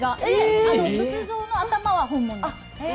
仏像の頭は本物です。